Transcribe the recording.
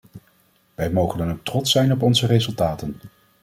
Wij mogen dan ook trots zijn op onze resultaten.